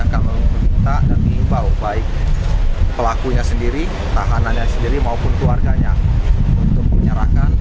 kami meminta dan mengimbau baik pelakunya sendiri tahanannya sendiri maupun keluarganya untuk menyerahkan